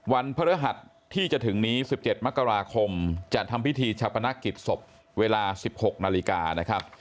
พระฤหัสที่จะถึงนี้๑๗มกราคมจะทำพิธีชะพนักกิจศพเวลา๑๖นาฬิกานะครับ